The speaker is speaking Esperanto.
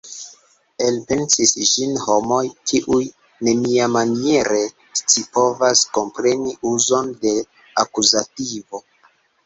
Elpensis ĝin homoj kiuj neniamaniere scipovas kompreni uzon de akuzativo.